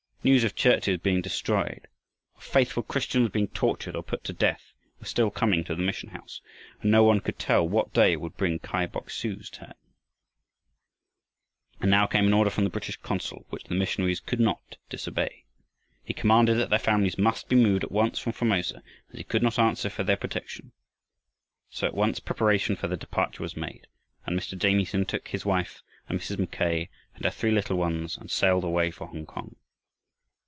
News of churches being destroyed, of faithful Christians being tortured or put to death, were still coming to the mission house, and no one could tell what day would bring Kai Boksu's turn. And now came an order from the British consul which the missionaries could not disobey. He commanded that their families must be moved at once from Formosa, as he could not answer for their protection. So at once preparations for their departure were made, and Mr. Jamieson took his wife and Mrs. Mackay and her three little ones and sailed away for Hongkong.